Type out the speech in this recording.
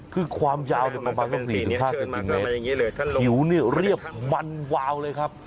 คือความยาวประมาณสัก๔๕เซนติเมตรผิวนี่เรียบมันวาวเลยครับ